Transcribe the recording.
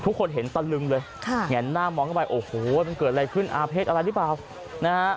ทุกคนเห็นตะลึงเลยค่ะแง่นหน้ามองเข้าไปโอ้โหมันเกิดอะไรขึ้นอาเภษอะไรหรือเปล่านะฮะ